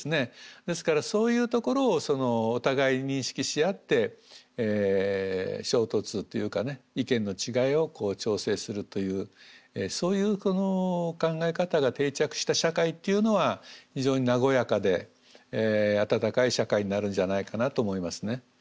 ですからそういうところをお互い認識し合って衝突というかね意見の違いを調整するというそういう考え方が定着した社会っていうのは非常に和やかで温かい社会になるんじゃないかなと思いますね。